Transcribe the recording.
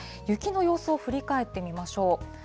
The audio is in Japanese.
雪の様子を振り返ってみましょう。